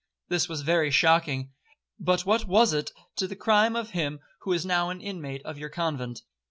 This was very shocking—but what was it to the crime of him who is now an inmate of your convent?